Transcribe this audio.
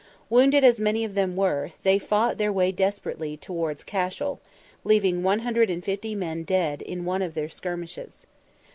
Wounded as many of them were, they fought their way desperately towards Cashel, leaving 150 men dead in one of their skirmishes.